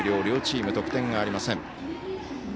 両チーム、得点がありません。